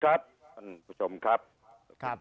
ครับคุณผู้ชมครับครับ